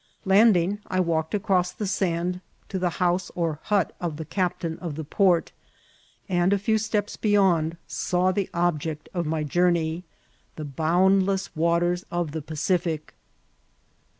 Landing, I walked across the sand to the house or hut of the captain of the port, and a few steps beyond saw the object of my journey, the bound less waters of the Pacific.